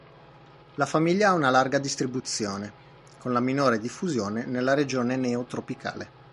La famiglia ha una larga distribuzione, con la minore diffusione nella Regione neotropicale.